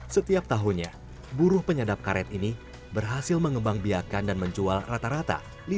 setiap tahunnya buruh penyadap karet ini berhasil mengembang biakan dan menjual rata rata